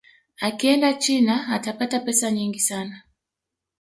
akienda china atapata pesa nyingi sana